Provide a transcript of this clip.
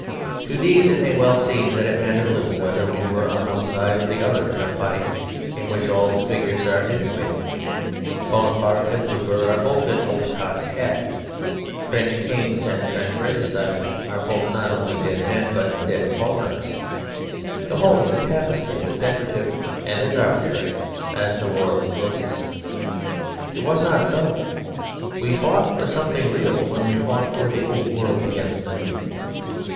To these it may well seem that it matters little whether we were on one side or the other in a fight in which all the figures are antiquated; Bonaparte and Blucher are both in old cocked hats; French kings and French regicides are both not only dead men but dead foreigners; the whole is a tapestry as decorative and as arbitrary as the Wars of the Roses. It was not so: we fought for something real when we fought for the old world against the new.